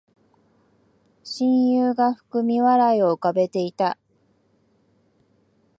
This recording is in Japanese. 親友が含み笑いを浮かべていた